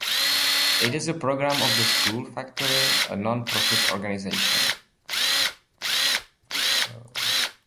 It is a program of The School Factory, a non-profit organization.